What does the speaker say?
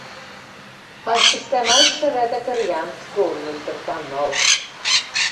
Mae'r systemau tyred a gyriant gwn yn drydanol.